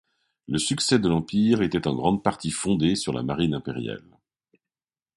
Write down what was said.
Le succès de l'Empire était en grande partie fondée sur la Marine Impériale.